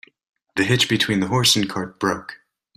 The hitch between the horse and cart broke.